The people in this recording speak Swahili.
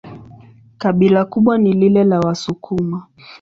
Kabila kubwa ni lile la Wasukuma.